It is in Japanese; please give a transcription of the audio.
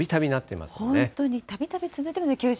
本当に、たびたび続いてます